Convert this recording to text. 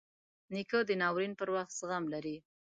نیکه د ناورین پر وخت زغم لري.